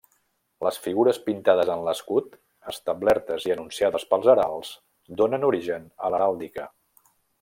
Les figures pintades en l'escut, establertes i enunciades pels heralds, donen origen a l'heràldica.